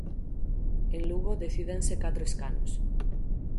En Lugo decídense catro escanos.